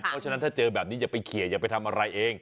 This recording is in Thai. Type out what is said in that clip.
เพราะฉะนั้นถ้าเจอแบบนี้อย่าไปเคลียร์อย่าไปทำอะไรเอง